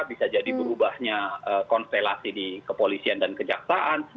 bisa jadi berubahnya konstelasi di kepolisian dan kejaksaan